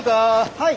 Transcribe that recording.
はい。